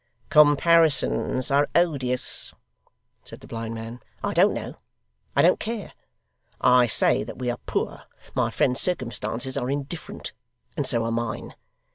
'Comparisons are odious,' said the blind man. 'I don't know, I don't care. I say that we are poor. My friend's circumstances are indifferent, and so are mine.